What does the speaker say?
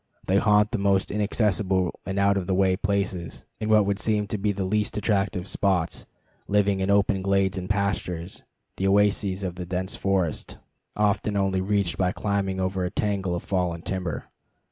They haunt the most inaccessible and out of the way places, and what would seem to be the least attractive spots, living in open glades and pastures, the oases of the dense forest, often only to be reached by climbing over a tangle of fallen timber.